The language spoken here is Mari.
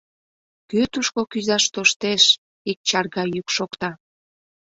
— Кӧ тушко кӱзаш тоштеш? — ик чарга йӱк шокта.